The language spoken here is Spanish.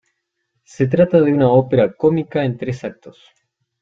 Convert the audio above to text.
Se trata de una ópera cómica en tres actos.